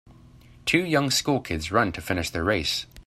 Two young school kids run to finish their race.